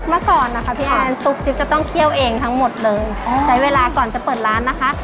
เมื่อก่อนนะคะพี่แอนซุปจิ๊บจะต้องเคี่ยวเองทั้งหมดเลยใช้เวลาก่อนจะเปิดร้านนะคะ